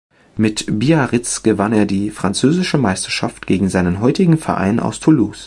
Mit Biarritz gewann er die französische Meisterschaft gegen seinen heutigen Verein aus Toulouse.